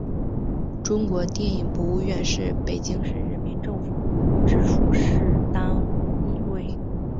中国电影博物馆是北京市人民政府直属事业单位。